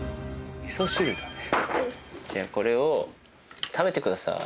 じゃあこれを食べてください。